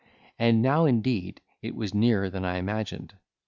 And now indeed it was nearer than I imagined.